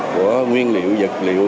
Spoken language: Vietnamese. của nguyên liệu vật liệu